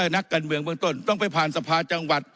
นักการเมืองเบื้องต้นต้องไปผ่านสภาจังหวัด